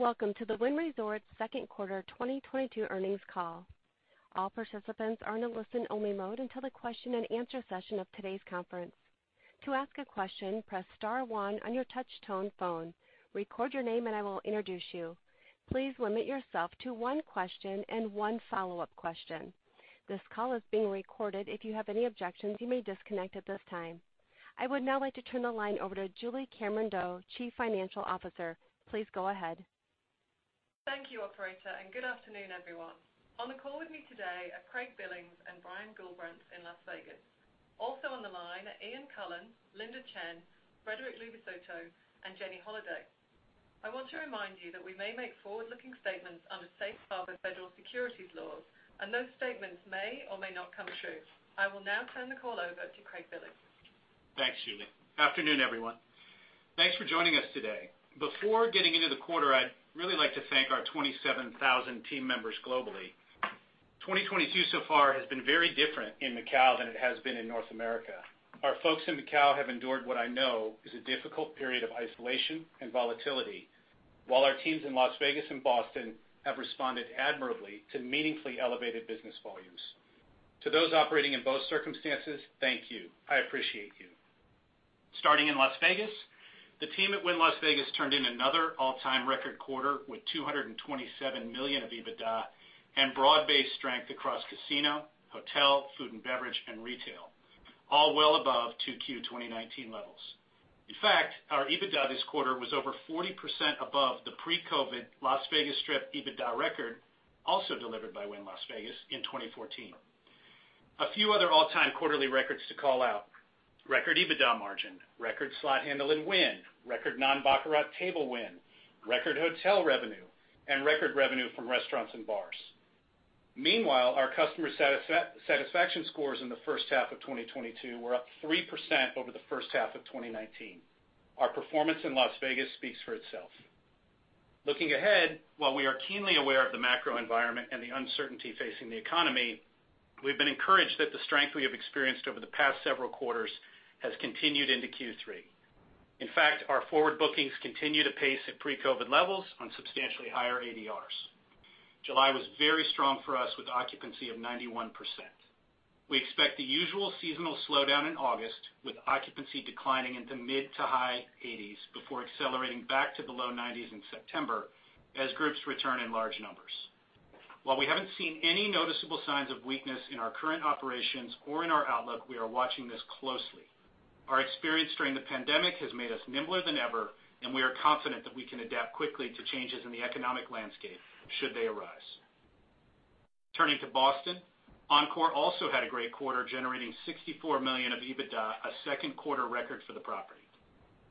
Welcome to the Wynn Resorts second quarter 2022 earnings call. All participants are in a listen-only mode until the question-and-answer session of today's conference. To ask a question, press star one on your touch-tone phone, record your name, and I will introduce you. Please limit yourself to one question and one follow-up question. This call is being recorded. If you have any objections, you may disconnect at this time. I would now like to turn the line over to Julie Cameron-Doe, Chief Financial Officer. Please go ahead. Thank you, operator, and good afternoon, everyone. On the call with me today are Craig Billings and Brian Gullbrants in Las Vegas. Also on the line are Ian Coughlan, Linda Chen, Frederic Luvisutto, and Jenny Holaday. I want to remind you that we may make forward-looking statements under safe harbor federal securities laws, and those statements may or may not come true. I will now turn the call over to Craig Billings. Thanks, Julie. Afternoon, everyone. Thanks for joining us today. Before getting into the quarter, I'd really like to thank our 27,000 team members globally. 2022 so far has been very different in Macau than it has been in North America. Our folks in Macau have endured what I know is a difficult period of isolation and volatility, while our teams in Las Vegas and Boston have responded admirably to meaningfully elevated business volumes. To those operating in both circumstances, thank you. I appreciate you. Starting in Las Vegas, the team at Wynn Las Vegas turned in another all-time record quarter with $227 million of EBITDA and broad-based strength across casino, hotel, food and beverage, and retail, all well above 2Q 2019 levels. In fact, our EBITDA this quarter was over 40% above the pre-COVID Las Vegas Strip EBITDA record, also delivered by Wynn Las Vegas in 2014. A few other all-time quarterly records to call out. Record EBITDA margin, record slot handle and win, record non-baccarat table win, record hotel revenue, and record revenue from restaurants and bars. Meanwhile, our customer satisfaction scores in the first half of 2022 were up 3% over the first half of 2019. Our performance in Las Vegas speaks for itself. Looking ahead, while we are keenly aware of the macro environment and the uncertainty facing the economy, we've been encouraged that the strength we have experienced over the past several quarters has continued into Q3. In fact, our forward bookings continue to pace at pre-COVID levels on substantially higher ADRs. July was very strong for us with occupancy of 91%. We expect the usual seasonal slowdown in August, with occupancy declining into the mid- to high 80s % before accelerating back to the low 90s % in September as groups return in large numbers. While we haven't seen any noticeable signs of weakness in our current operations or in our outlook, we are watching this closely. Our experience during the pandemic has made us nimbler than ever, and we are confident that we can adapt quickly to changes in the economic landscape should they arise. Turning to Boston, Encore also had a great quarter, generating $64 millions of EBITDA, a second-quarter record for the property.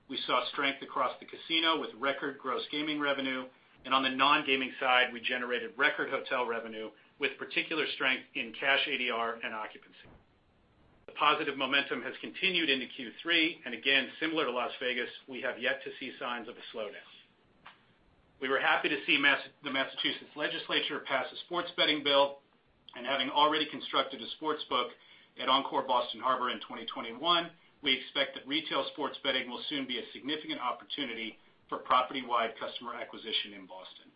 We saw strength across the casino with record gross gaming revenue, and on the non-gaming side, we generated record hotel revenue with particular strength in cash ADR and occupancy. The positive momentum has continued into Q3, and again, similar to Las Vegas, we have yet to see signs of a slowdown. We were happy to see the Massachusetts legislature pass a sports betting bill, and having already constructed a sports book at Encore Boston Harbor in 2021, we expect that retail sports betting will soon be a significant opportunity for property-wide customer acquisition in Boston.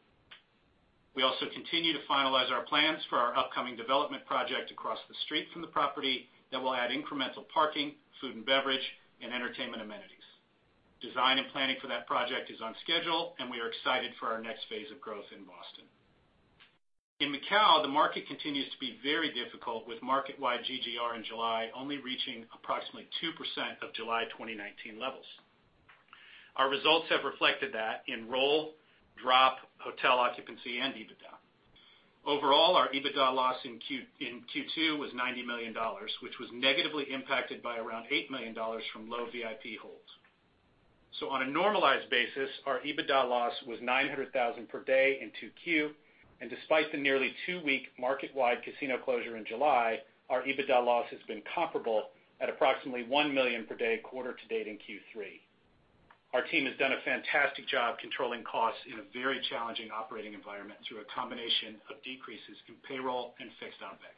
We also continue to finalize our plans for our upcoming development project across the street from the property that will add incremental parking, food and beverage, and entertainment amenities. Design and planning for that project are on schedule, and we are excited for our next phase of growth in Boston. In Macau, the market continues to be very difficult, with market-wide GGR in July only reaching approximately 2% of July 2019 levels. Our results have reflected that in roll, drop, hotel occupancy, and EBITDA. Overall, our EBITDA loss in Q2 was $90 million, which was negatively impacted by around $8 million from low VIP holds. On a normalized basis, our EBITDA loss was $900,000 per day in 2Q. Despite the nearly two-week market-wide casino closure in July, our EBITDA loss has been comparable at approximately $1 million per day quarter to date in Q3. Our team has done a fantastic job controlling costs in a very challenging operating environment through a combination of decreases in payroll and fixed OpEx.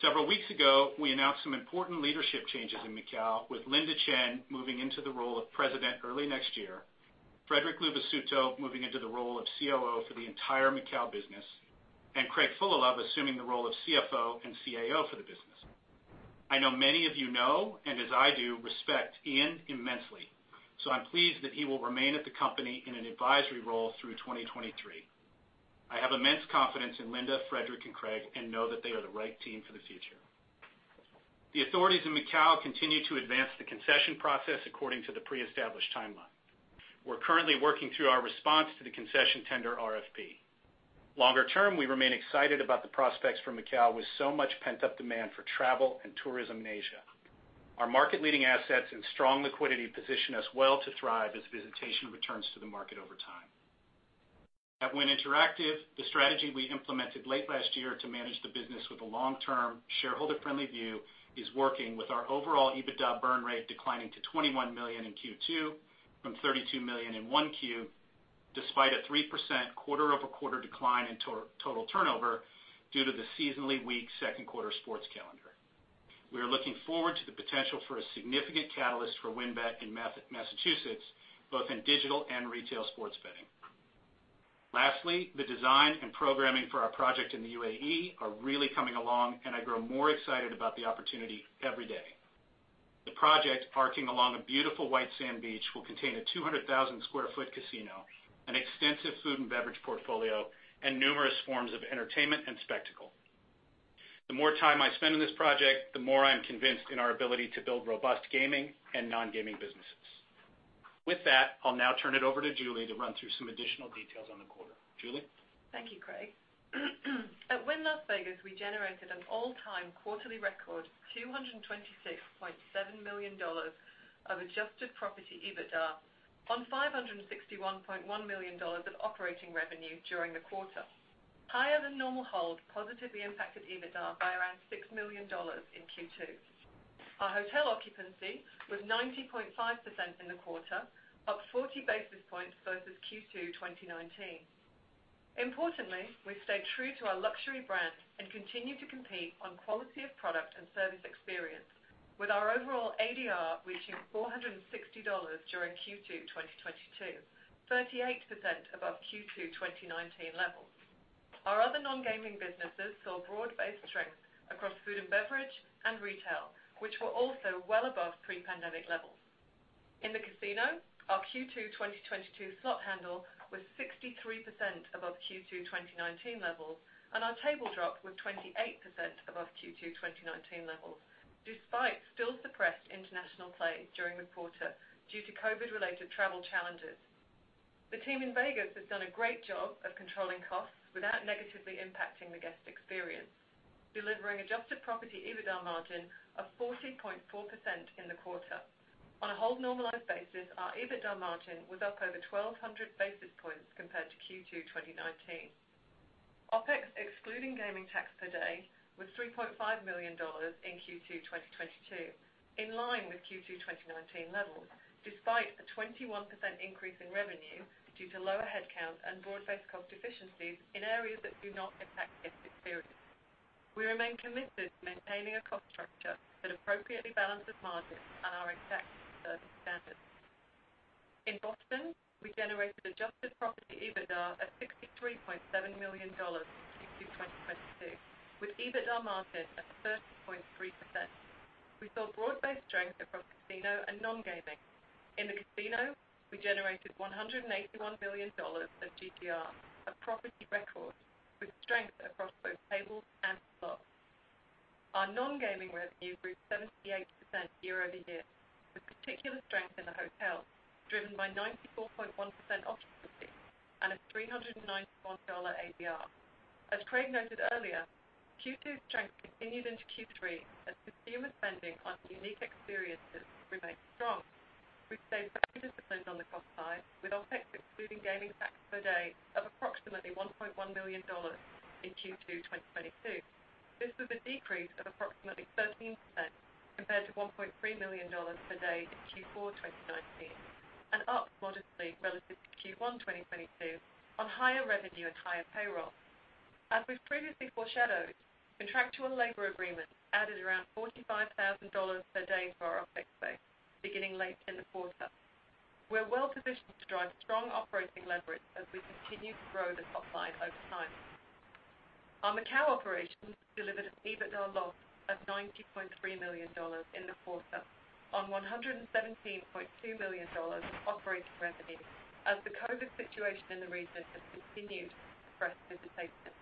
Several weeks ago, we announced some important leadership changes in Macau, with Linda Chen moving into the role of president early next year, Frederic Luvisutto moving into the role of COO for the entire Macau business and Craig Fullalove assuming the role of CFO and CAO for the business. I know many of you know, and as I do, I respect Ian immensely. I'm pleased that he will remain at the company in an advisory role through 2023. I have immense confidence in Linda, Frederic, and Craig and know that they are the right team for the future. The authorities in Macau continue to advance the concession process according to the pre-established timeline. We're currently working through our response to the concession tender RFP. Longer term, we remain excited about the prospects for Macau with so much pent-up demand for travel and tourism in Asia. Our market-leading assets and strong liquidity position us well to thrive as visitation returns to the market over time. At Wynn Interactive, the strategy we implemented late last year to manage the business with a long-term shareholder-friendly view is working, with our overall EBITDA burn rate declining to $21 million in Q2 from $32 million in 1Q, despite a 3% quarter-over-quarter decline in total turnover due to the seasonally weak second quarter sports calendar. We are looking forward to the potential for a significant catalyst for WynnBET in Massachusetts, both in digital and retail sports betting. Lastly, the design and programming for our project in the UAE are really coming along, and I grow more excited about the opportunity every day. The project, arcing along a beautiful white sand beach, will contain a 200,000 sq ft casino, an extensive food and beverage portfolio, and numerous forms of entertainment and spectacle. The more time I spend on this project, the more I am convinced of our ability to build robust gaming and non-gaming businesses. With that, I'll now turn it over to Julie to run through some additional details on the quarter. Julie? Thank you, Craig. At Wynn Las Vegas, we generated an all-time quarterly record, $226.7 million of adjusted property EBITDA on $561.1 million of operating revenue during the quarter. Higher than normal hold positively impacted EBITDA by around $6 million in Q2. Our hotel occupancy was 90.5% in the quarter, up 40 basis points versus Q2 2019. Importantly, we stayed true to our luxury brand and continued to compete on quality of product and service experience, with our overall ADR reaching $460 during Q2 2022, 38% above Q2 2019 levels. Our other non-gaming businesses saw broad-based strength across food and beverage and retail, which were also well above pre-pandemic levels. In the casino, our Q2 2022 slot handle was 63% above Q2 2019 levels, and our table drop was 28% above Q2 2019 levels, despite still suppressed international play during the quarter due to COVID-related travel challenges. The team in Vegas has done a great job of controlling costs without negatively impacting the guest experience, delivering adjusted property EBITDA margin of 14.4% in the quarter. On a hold normalized basis, our EBITDA margin was up over 1,200 basis points compared to Q2 2019. OpEx, excluding gaming tax per day, was $3.5 million in Q2 2022, in line with Q2 2019 levels, despite a 21% increase in revenue due to lower headcount and broad-based cost efficiencies in areas that do not affect guest experience. We remain committed to maintaining a cost structure that appropriately balances margins and our exact service standards. In Boston, we generated adjusted property EBITDA of $63.7 million in Q2 2022 with EBITDA margin at 30.3%. We saw broad-based strength across casino and non-gaming. In the casino, we generated $181 million of GGR, a property record with strength across both tables and slots. Our non-gaming revenue grew 78% year-over-year, with particular strength in the hotel, driven by 94.1% occupancy and a $391 ADR. As Craig noted earlier, Q2's strength continued into Q3 as consumer spending on unique experiences remained strong. We've stayed very disciplined on the cost side with OpEx excluding gaming tax per day of approximately $1.1 million in Q2 2022. This was a decrease of approximately 13% compared to $1.3 million per day in Q4 2019, and up modestly relative to Q1 2022 on higher revenue and higher payroll. As we've previously foreshadowed, contractual labor agreements added around $45,000 per day to our OpEx base beginning late in the quarter. We're well-positioned to drive strong operating leverage as we continue to grow the top line over time. Our Macau operations delivered an EBITDA loss of $90.3 million in the quarter on $117.2 million in operating revenue as the COVID situation in the region has continued to suppress visitation.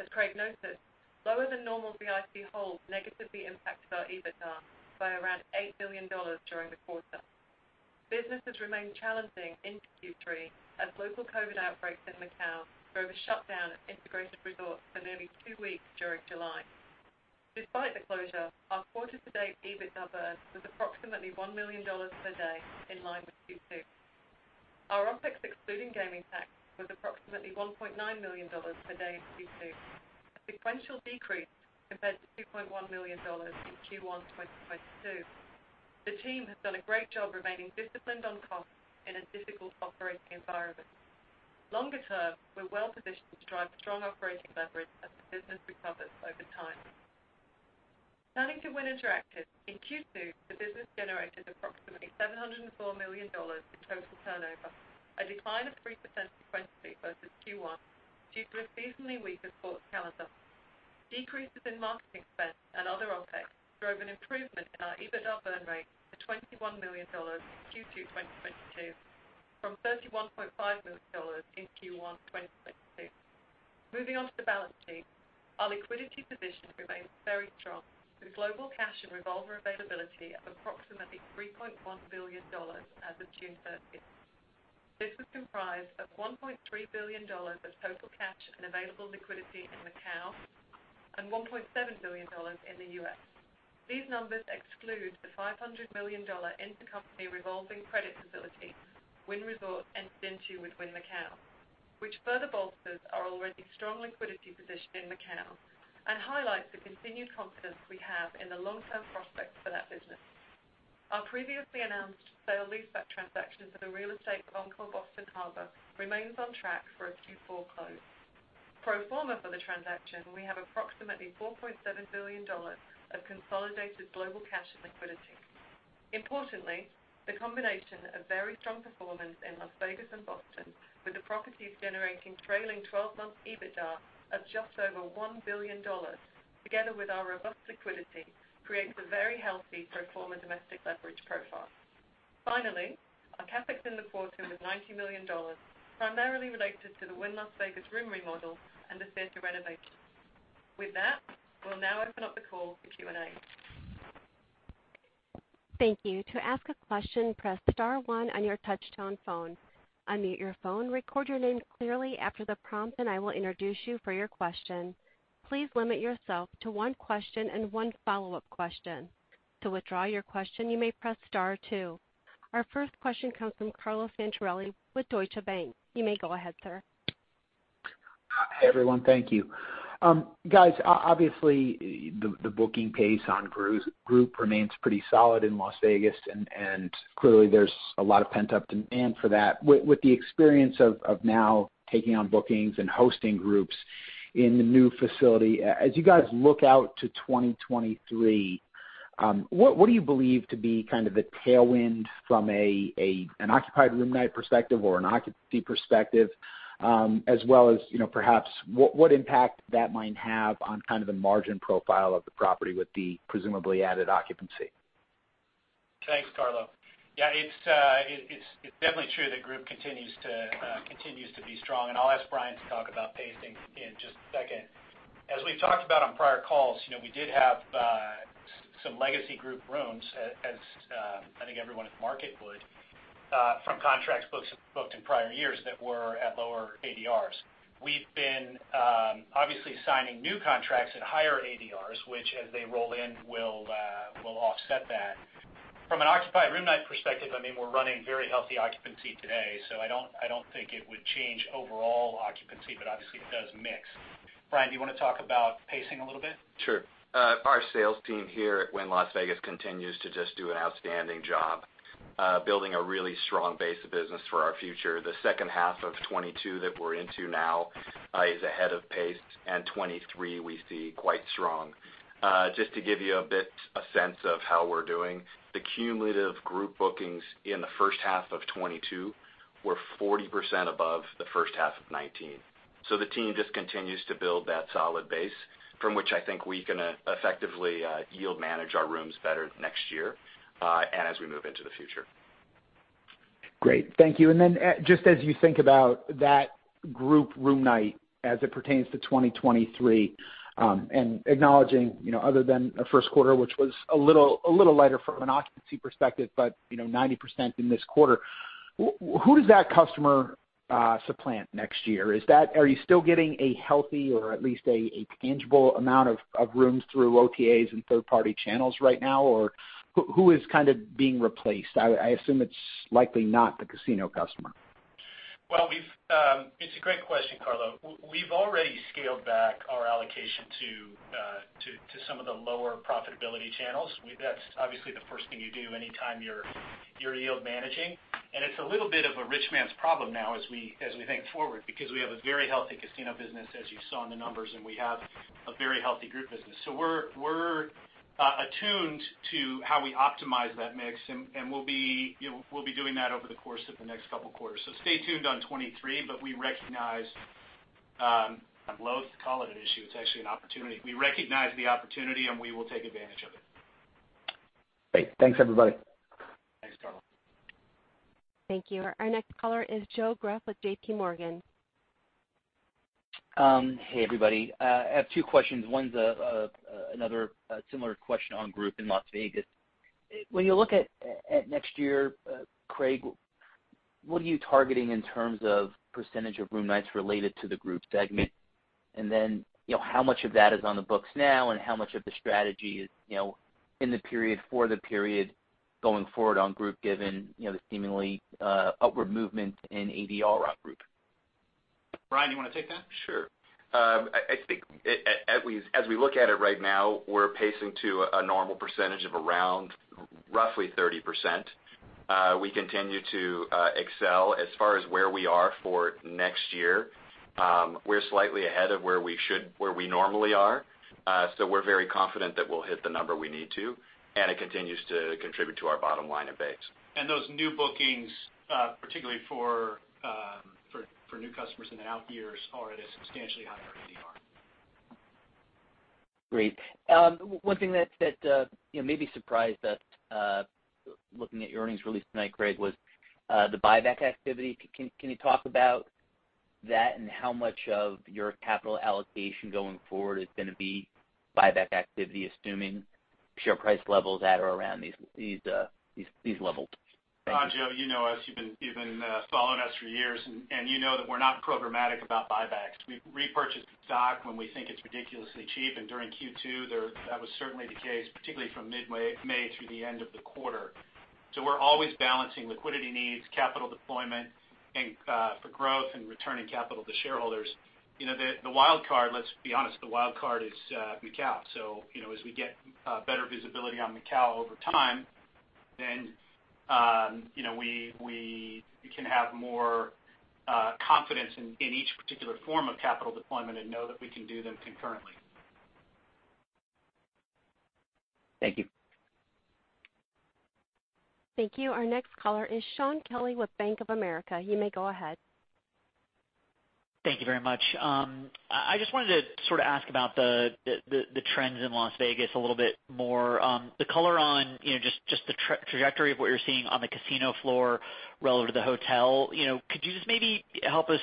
As Craig noted, lower than normal VIP hold negatively impacted our EBITDA by around $8 million during the quarter. Business has remained challenging into Q3 as local COVID outbreaks in Macau drove a shutdown of integrated resorts for nearly two weeks during July. Despite the closure, our quarter-to-date EBITDA burn was approximately $1 million per day, in line with Q2. Our OpEx, excluding gaming tax, was approximately $1.9 million per day in Q2, a sequential decrease compared to $2.1 million in Q1 2022. The team has done a great job of remaining disciplined on costs in a difficult operating environment. Longer term, we're well-positioned to drive strong operating leverage as the business recovers over time. Turning to Wynn Interactive. In Q2, the business generated approximately $704 million in total turnover, a decline of 3% sequentially versus Q1 due to a seasonally weaker sports calendar. Decreases in marketing spend and other OpEx drove an improvement in our EBITDA burn rate to $21 million in Q2 2022 from $31.5 million in Q1 2022. Moving on to the balance sheet. Our liquidity position remains very strong, with global cash and revolver availability of approximately $3.1 billion as of June 30. This was comprised of $1.3 billion of total cash and available liquidity in Macau and $1.7 billion in the U.S. These numbers exclude the $500 million intercompany revolving credit facility Wynn Resorts entered into with Wynn Macau, which further bolsters our already strong liquidity position in Macau and highlights the continued confidence we have in the long-term pro- Our previously announced sale-leaseback transaction for the real estate of Encore Boston Harbor remains on track for a Q4 close. Pro forma for the transaction, we have approximately $4.7 billion of consolidated global cash and liquidity. Importantly, the combination of very strong performance in Las Vegas and Boston, with the properties generating trailing twelve months EBITDA of just over $1 billion, together with our robust liquidity, creates a very healthy pro forma domestic leverage profile. Finally, our CapEx in the quarter was $90 million, primarily related to the Wynn Las Vegas room remodel and the theater renovation. With that, we'll now open up the call for Q&A. Thank you. To ask a question, press star one on your touch-tone phone. Unmute your phone, record your name clearly after the prompt, and I will introduce you to your question. Please limit yourself to one question and one follow-up question. To withdraw your question, you may press star two. Our first question comes from Carlo Santarelli with Deutsche Bank. You may go ahead, sir. Hi, everyone. Thank you. Guys, obviously, the booking pace on groups remains pretty solid in Las Vegas, and clearly, there's a lot of pent-up demand for that. With the experience of now taking on bookings and hosting groups in the new facility, as you guys look out to 2023, what do you believe to be kind of the tailwind from an occupied room night perspective or an occupancy perspective, as well as, you know, perhaps what impact that might have on kind of the margin profile of the property with the presumably added occupancy? Thanks, Carlo. Yeah, it's definitely true that the group continues to be strong, and I'll ask Brian to talk about pacing in just a second. As we've talked about on prior calls, you know, we did have some legacy group rooms, as I think everyone in the market would from contracts booked in prior years that were at lower ADRs. We've been obviously signing new contracts at higher ADRs, which, as they roll in, will offset that. From an occupied room night perspective, I mean, we're running very healthy occupancy today, so I don't think it would change overall occupancy, but obviously, it does mix. Brian, do you wanna talk about pacing a little bit? Sure. Our sales team here at Wynn Las Vegas continues to just do an outstanding job, building a really strong base of business for our future. The second half of 2022 that we're into now is ahead of pace, and 2023, we see quite strong. Just to give you a bit of a sense of how we're doing, the cumulative group bookings in the first half of 2022 were 40% above the first half of 2019. The team just continues to build that solid base from which I think we can effectively yield manage our rooms better next year, and as we move into the future. Great. Thank you. Then, just as you think about that group room night as it pertains to 2023, and acknowledging, you know, other than a first quarter, which was a little lighter from an occupancy perspective, but, you know, 90% in this quarter, who does that customer supplant next year? Is that? Are you still getting a healthy or at least a tangible amount of rooms through OTAs and third-party channels right now? Or who is kind of being replaced? I assume it's likely not the casino customer. It's a great question, Carlo. We've already scaled back our allocation to some of the lower profitability channels. That's obviously the first thing you do anytime you're yield managing. It's a little bit of a rich man's problem now, as we think forward, because we have a very healthy casino business, as you saw in the numbers, and we have a very healthy group business. We're attuned to how we optimize that mix, and we'll be doing that over the course of the next couple of quarters. Stay tuned in 2023, but we recognize, I'm loath to call it an issue, it's actually an opportunity. We recognize the opportunity, and we will take advantage of it. Great. Thanks, everybody. Thanks, Carlo. Thank you. Our next caller is Joe Greff with JPMorgan. Hey, everybody. I have two questions. One's another similar question on a group in Las Vegas. When you look at next year, Craig, what are you targeting in terms of percentage of room nights related to the group segment? You know, how much of that is on the books now, and how much of the strategy is, you know, in the period, for the period going forward, on group given, you know, the seemingly upward movement in ADR on group? Brian, you wanna take that? Sure. I think, at least as we look at it right now, we're pacing to a normal percentage of around roughly 30%. We continue to excel as far as where we are for next year. We're slightly ahead of where we normally are, so we're very confident that we'll hit the number we need to, and it continues to contribute to our bottom line at base. Those new bookings, particularly for new customers in the coming years, are at a substantially higher ADR. Great. One thing that you know, maybe surprised us looking at your earnings release tonight, Craig, was the buyback activity. Can you talk about that and how much of your capital allocation going forward is gonna be buyback activity, assuming share price levels at or around these levels? Thank you. Joe, you know us. You've been following us for years, and you know that we're not programmatic about buybacks. We repurchase the stock when we think it's ridiculously cheap, and during Q2, that was certainly the case, particularly from mid-May through the end of the quarter. We're always balancing liquidity needs, capital deployment, and for growth, and returning capital to shareholders. You know, the wild card, let's be honest, the wild card is Macau. You know, as we get better visibility on Macau over time, then you know, we can have more confidence in each particular form of capital deployment and know that we can do them concurrently. Thank you. Thank you. Our next caller is Shaun Kelley with Bank of America. You may go ahead. Thank you very much. I just wanted to sort of ask about the trends in Las Vegas a little bit more. The color on, you know, just the trajectory of what you're seeing on the casino floor relative to the hotel. You know, could you just maybe help us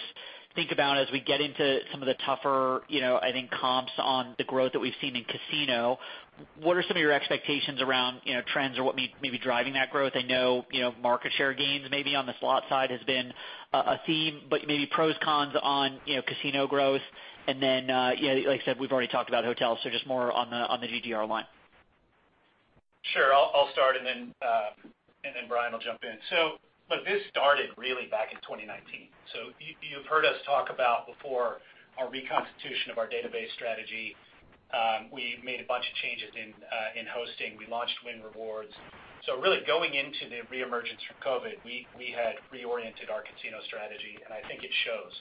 think about as we get into some of the tougher, you know, I think comps on the growth that we've seen in the casino, what are some of your expectations around, you know, trends or what may be driving that growth? I know, you know, market share gains maybe on the slot side have been a theme, but maybe pros and cons on, you know, casino growth. Yeah, like I said, we've already talked about hotels, so just more on the GGR line. Sure. I'll start, and then Brian will jump in. Look, this started really back in 2019. You've heard us talk about this before our reconstitution of our database strategy. We made a bunch of changes in hosting. We launched Wynn Rewards. Really, going into the reemergence from COVID, we had reoriented our casino strategy, and I think it shows.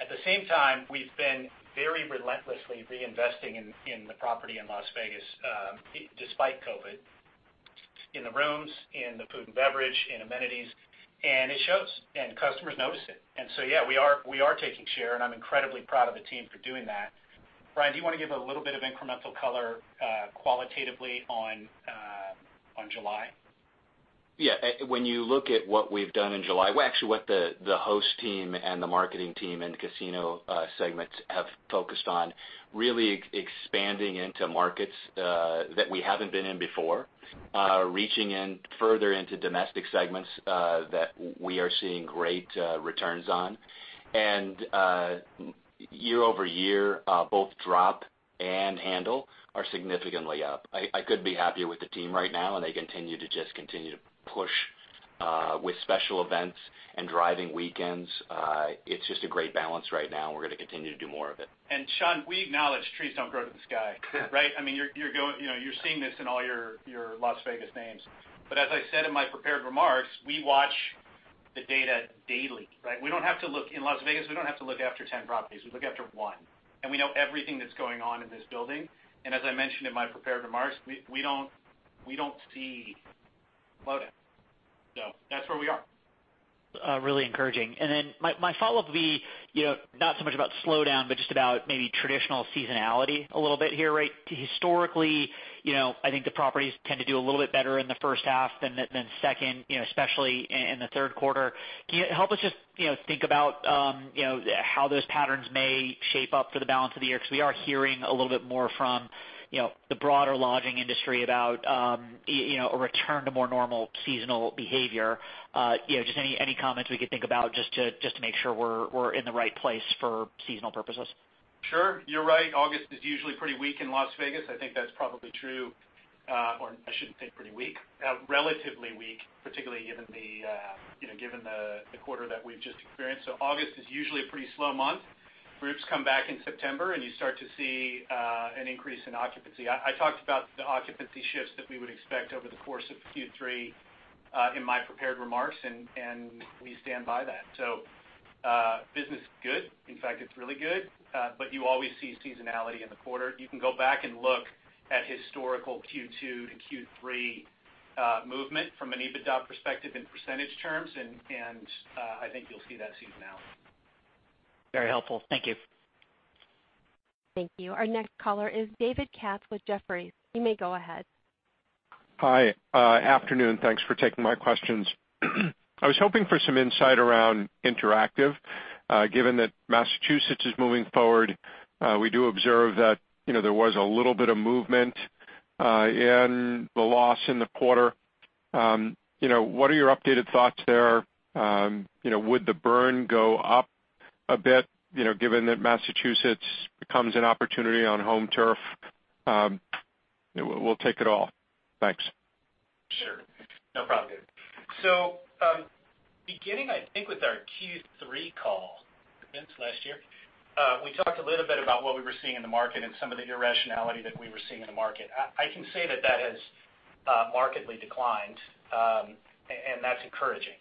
At the same time, we've been very relentlessly reinvesting in the property in Las Vegas, despite COVID, in the rooms, in the food and beverage, in amenities, and it shows, and customers notice it. Yeah, we are taking share, and I'm incredibly proud of the team for doing that. Brian, do you wanna give a little bit of incremental color, qualitatively on July? Yeah. When you look at what we've done in July, well, actually, what the host team and the marketing team and casino segments have focused on is really expanding into markets that we haven't been in before, reaching in further into domestic segments that we are seeing great returns on. Year-over-year, both drop and handle are significantly up. I couldn't be happier with the team right now, and they continue to push with special events and driving weekends. It's just a great balance right now. We're gonna continue to do more of it. Shaun, we acknowledge trees don't grow to the sky, right? I mean, you're going. You know, you're seeing this in all your Las Vegas names. As I said in my prepared remarks, we watch the data daily, right? In Las Vegas, we don't have to look after ten properties. We look after one, and we know everything that's going on in this building. As I mentioned in my prepared remarks, we don't see a slowdown. That's where we are. Really encouraging. Then my follow-up would be, you know, not so much about slowdown, but just about maybe traditional seasonality a little bit here, right? Historically, you know, I think the properties tend to do a little bit better in the first half than the second, you know, especially in the third quarter. Can you help us just, you know, think about how those patterns may shape up for the balance of the year? 'Cause we are hearing a little bit more from, you know, the broader lodging industry about a return to more normal seasonal behavior. You know, just any comments we could think about, just to make sure we're in the right place for seasonal purposes. Sure. You're right. August is usually pretty weak in Las Vegas. I think that's probably true, or I shouldn't say pretty weak, relatively weak, particularly given the quarter that we've just experienced. August is usually a pretty slow month. Groups come back in September, and you start to see an increase in occupancy. I talked about the occupancy shifts that we would expect over the course of Q3 in my prepared remarks, and we stand by that. Business is good. In fact, it's really good. You always see seasonality in the quarter. You can go back and look at historical Q2 to Q3 movement from an EBITDA perspective in percentage terms, and I think you'll see that seasonality. Very helpful. Thank you. Thank you. Our next caller is David Katz with Jefferies. You may go ahead. Hi. Afternoon, thanks for taking my questions. I was hoping for some insight around interactive. Given that Massachusetts is moving forward, we do observe that, you know, there was a little bit of movement in the loss in the quarter. You know, what are your updated thoughts there? You know, would the burn go up a bit, you know, given that Massachusetts becomes an opportunity on home turf? We'll take it all. Thanks. Sure. No problem, David. Beginning, I think with our Q3 call, I think it's last year, we talked a little bit about what we were seeing in the market and some of the irrationality that we were seeing in the market. I can say that has markedly declined, and that's encouraging.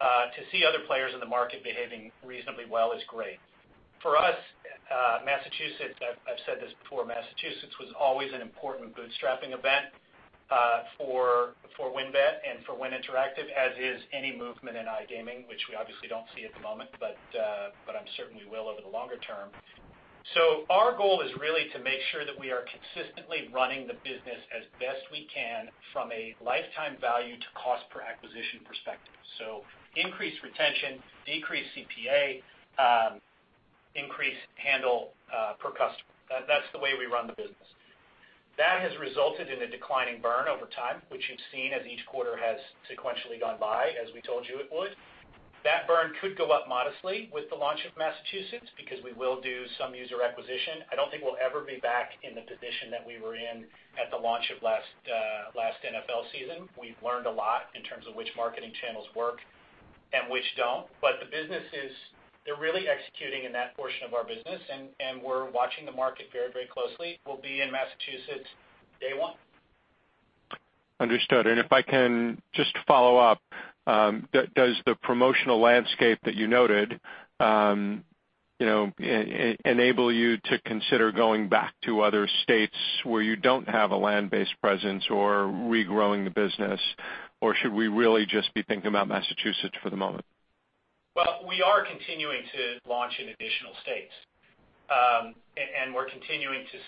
To see other players in the market behaving reasonably well is great. For us, Massachusetts, I've said this before, Massachusetts was always an important bootstrapping event for WynnBET and for Wynn Interactive, as is any movement in iGaming, which we obviously don't see at the moment, but I'm certain we will over the longer term. Our goal is really to make sure that we are consistently running the business as best we can from a lifetime value to cost per acquisition perspective. Increased retention, decreased CPA, increased handle per customer. That's the way we run the business. That has resulted in a declining burn over time, which you've seen as each quarter has sequentially gone by, as we told you it would. That burn could go up modestly with the launch of Massachusetts because we will do some user acquisition. I don't think we'll ever be back in the position that we were in at the launch of last NFL season. We've learned a lot in terms of which marketing channels work and which don't. The business is. They're really executing in that portion of our business, and we're watching the market very, very closely. We'll be in Massachusetts day one. Understood. If I can just follow up, does the promotional landscape that you noted, you know, enable you to consider going back to other states where you don't have a land-based presence or regrowing the business, or should we really just be thinking about Massachusetts for the moment? Well, we are continuing to launch in additional states. And we're continuing to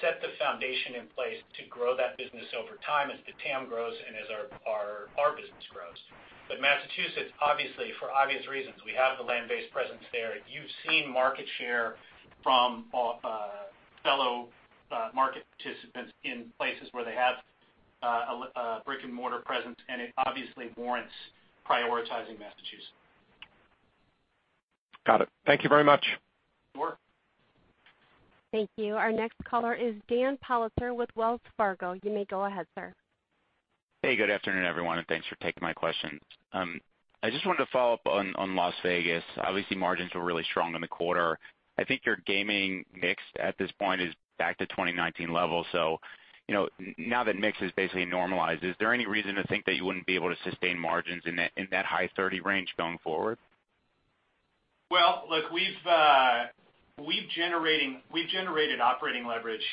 set the foundation in place to grow that business over time as the TAM grows and as our business grows. Massachusetts, obviously, for obvious reasons, we have the land-based presence there. You've seen market share from fellow market participants in places where they have a brick-and-mortar presence, and it obviously warrants prioritizing Massachusetts. Got it. Thank you very much. Sure. Thank you. Our next caller is Dan Politzer with Wells Fargo. You may go ahead, sir. Hey, good afternoon, everyone, and thanks for taking my question. I just wanted to follow up on Las Vegas. Obviously, margins were really strong in the quarter. I think your gaming mix at this point is back to 2019 levels. You know, now that the mix is basically normalized, is there any reason to think that you wouldn't be able to sustain margins in that high 30% range going forward? Well, look, we've generated operating leverage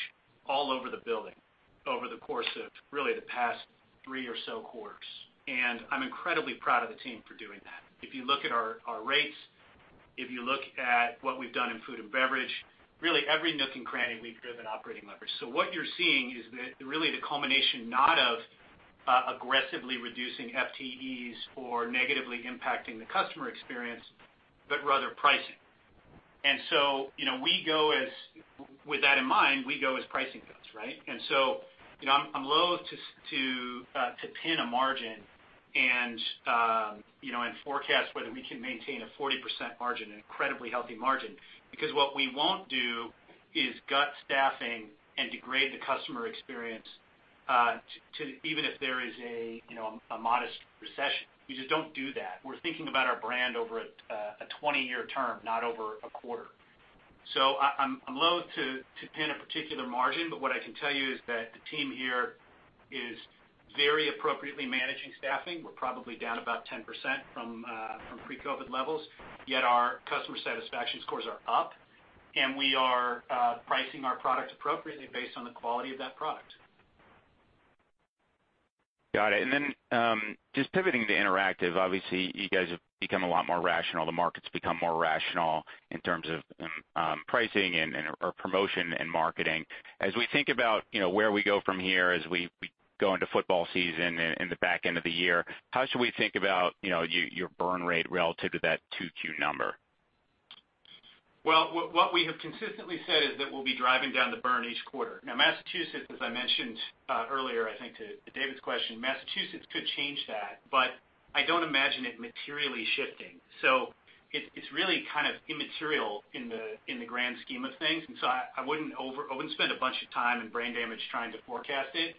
all over the building over the course of really the past three or so quarters, and I'm incredibly proud of the team for doing that. If you look at our rates, if you look at what we've done in food and beverage, really every nook and cranny, we've driven operating leverage. What you're seeing is really the culmination not of aggressively reducing FTEs or negatively impacting the customer experience, but rather pricing. You know, with that in mind, we go as pricing goes, right? You know, I'm loath to pin a margin and forecast whether we can maintain a 40% margin, an incredibly healthy margin, because what we won't do is gut staffing and degrade the customer experience, even if there is a modest recession. We just don't do that. We're thinking about our brand over a 20-year term, not over a quarter. I'm loath to pin a particular margin, but what I can tell you is that the team here is very appropriately managing staffing. We're probably down about 10% from pre-COVID levels, yet our customer satisfaction scores are up, and we are pricing our products appropriately based on the quality of that product. Got it. Just pivoting to interactive, obviously, you guys have become a lot more rational. The market's become more rational in terms of pricing and or promotion and marketing. As we think about, you know, where we go from here as we go into football season in the back end of the year, how should we think about, you know, your burn rate relative to that 2Q number? Well, what we have consistently said is that we'll be driving down the burn each quarter. Now, Massachusetts, as I mentioned earlier, I think to David's question, Massachusetts could change that, but I don't imagine it materially shifting. It's really kind of immaterial in the grand scheme of things, and so I wouldn't spend a bunch of time and brain damage trying to forecast it.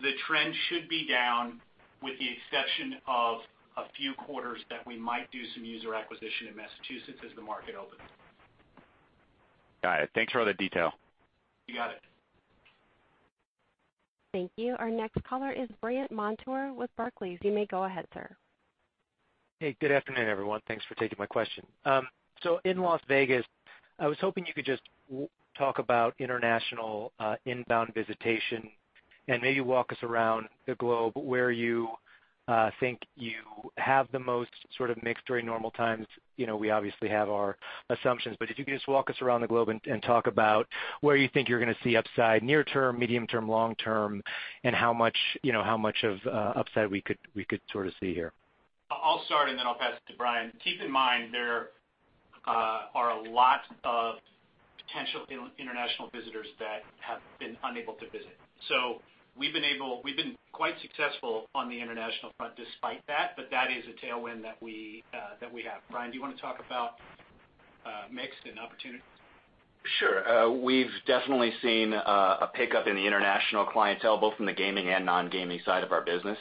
The trend should be down, with the exception of a few quarters that we might do some user acquisition in Massachusetts as the market opens. Got it. Thanks for all the details. You got it. Thank you. Our next caller is Brandt Montour with Barclays. You may go ahead, sir. Hey, good afternoon, everyone. Thanks for taking my question. So in Las Vegas, I was hoping you could just talk about international inbound visitation and maybe walk us around the globe where you think you have the most sort of mix during normal times. You know, we obviously have our assumptions, but if you could just walk us around the globe and talk about where you think you're gonna see upside near term, medium term, long term, and how much, you know, how much of upside we could sort of see here. I'll start, and then I'll pass it to Brian. Keep in mind, there are a lot of potential international visitors who have been unable to visit. We've been quite successful on the international front despite that, but that is a tailwind that we have. Brian, do you wanna talk about mix and opportunity? Sure. We've definitely seen a pickup in the international clientele, both from the gaming and non-gaming side of our business.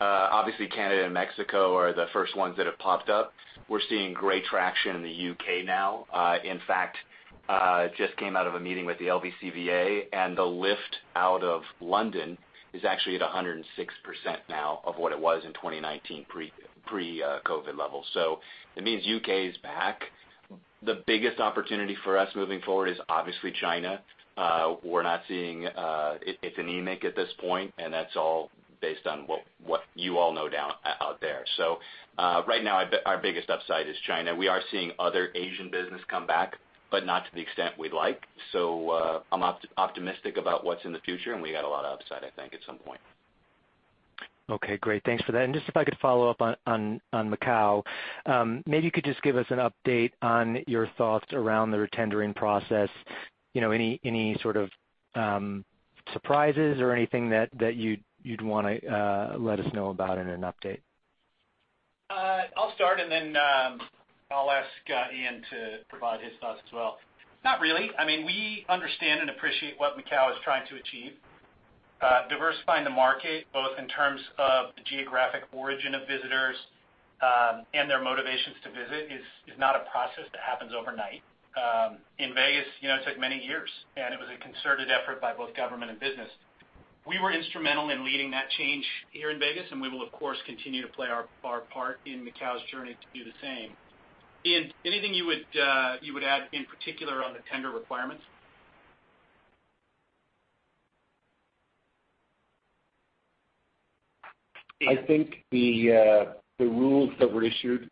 Obviously, Canada and Mexico are the first ones that have popped up. We're seeing great traction in the UK now. In fact, just came out of a meeting with the LVCVA, and the lift out of London is actually at 106% now of what it was in 2019 pre-COVID levels. It means the UK is back. The biggest opportunity for us moving forward is obviously China. We're not seeing; it's anemic at this point, and that's all based on what you all know out there. Right now, our biggest upside is China. We are seeing other Asian businesses come back, but not to the extent we'd like. I'm optimistic about what's in the future, and we got a lot of upside, I think, at some point. Okay, great. Thanks for that. Just if I could follow up on Macau, maybe you could just give us an update on your thoughts around the retendering process. You know, any sort of surprises or anything that you'd wanna let us know about in an update? I'll start, and then I'll ask Ian to provide his thoughts as well. Not really. I mean, we understand and appreciate what Macau is trying to achieve. Diversifying the market, both in terms of the geographic origin of visitors and their motivations to visit, is not a process that happens overnight. In Vegas, you know, it took many years, and it was a concerted effort by both government and business. We were instrumental in leading that change here in Vegas, and we will of course, continue to play our part in Macau's journey to do the same. Ian, anything you would add in particular on the tender requirements? I think the rules that were issued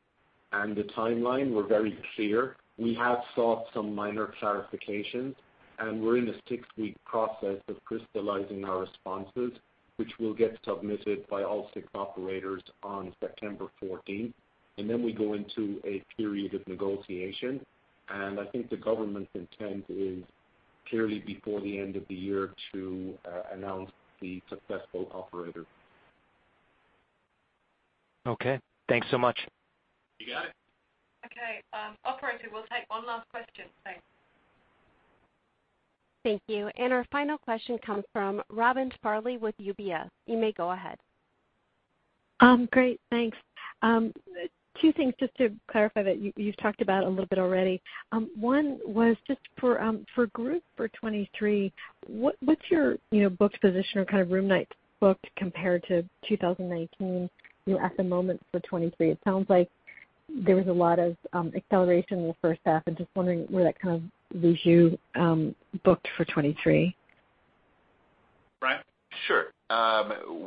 and the timeline were very clear. We have sought some minor clarifications, and we're in a six-week process of crystallizing our responses, which will get submitted by all six operators on September fourteenth. Then we go into a period of negotiation. I think the government's intent is clearly before the end of the year to announce the successful operator. Okay. Thanks so much. You got it. Okay, operator, we'll take one last question. Thanks. Thank you. Our final question comes from Robin Farley with UBS. You may go ahead. Great. Thanks. Two things just to clarify that you've talked about a little bit already. One was just for group for 2023, what's your, you know, booked position or kind of room nights booked compared to 2019, you know, at the moment for 2023? It sounds like there was a lot of acceleration in the first half. I'm just wondering where that kind of leaves you, booked for 2023. Brian? Sure.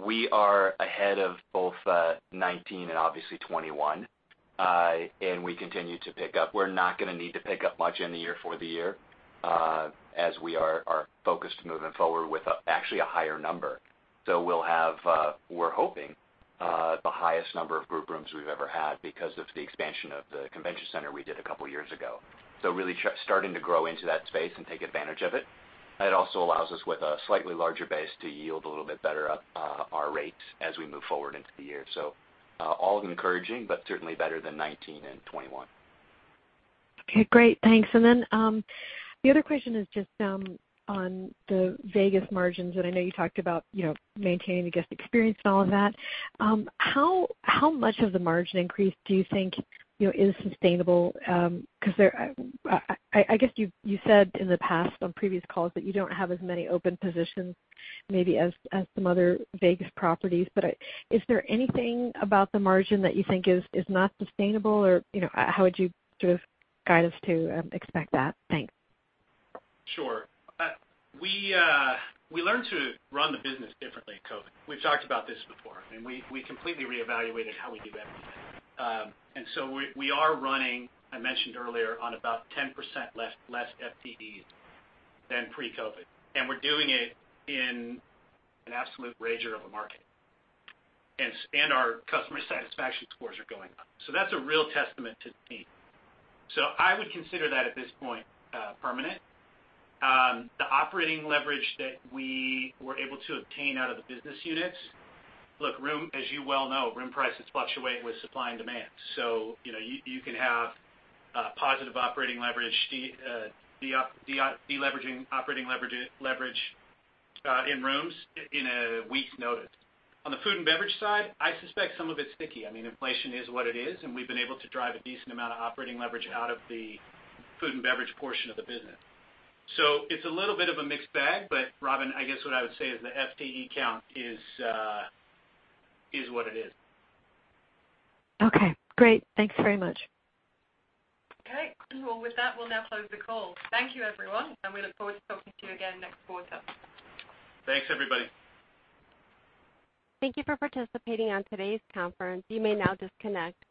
We are ahead of both 2019 and obviously 2021. We continue to pick up. We're not gonna need to pick up much in the year for the year, as we are focused moving forward with actually a higher number. We're hoping the highest number of group rooms we've ever had because of the expansion of the convention center we did a couple of years ago. Really starting to grow into that space and take advantage of it. It also allows us with a slightly larger base to yield a little bit better our rates as we move forward into the year. All encouraging, but certainly better than 2019 and 2021. Okay, great. Thanks. The other question is just on the Vegas margins, and I know you talked about, you know, maintaining the guest experience and all of that. How much of the margin increase do you think, you know, is sustainable? Because I guess you said in the past on previous calls that you don't have as many open positions, maybe as some other Vegas properties. Is there anything about the margin that you think is not sustainable? Or, you know, how would you sort of guide us to expect that? Thanks. Sure. We learned to run the business differently in COVID. We've talked about this before; we completely reevaluated how we do everything. We are running, I mentioned earlier, on about 10% less FTEs than pre-COVID. We're doing it in an absolute rager of a market. Our customer satisfaction scores are going up. That's a real testament to the team. I would consider that at this point permanent. The operating leverage that we were able to obtain out of the business units, look, room, as you well know, room prices fluctuate with supply and demand. You know, you can have positive operating leverage or deleveraging operating leverage in rooms on a week's notice. On the food and beverage side, I suspect some of it's sticky. I mean, inflation is what it is, and we've been able to drive a decent amount of operating leverage out of the food and beverage portion of the business. It's a little bit of a mixed bag, but Robyn, I guess what I would say is the FTE count is what it is. Okay, great. Thanks very much. Okay. Well, with that, we'll now close the call. Thank you, everyone, and we look forward to talking to you again next quarter. Thanks, everybody. Thank you for participating on today's conference. You may now disconnect.